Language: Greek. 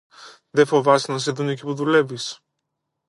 Δε φοβάσαι να σε δουν εκεί που δουλεύεις;